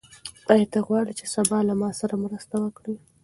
آیا ته غواړې چې سبا له ما سره مرسته وکړې؟